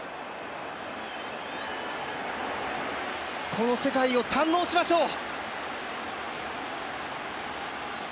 この世界を堪能しましょう。